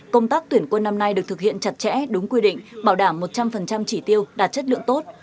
công tác tuyển quân năm nay được thực hiện chặt chẽ đúng quy định bảo đảm một trăm linh chỉ tiêu đạt chất lượng tốt